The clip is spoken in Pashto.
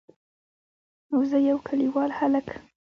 او زه يو کليوال هلک.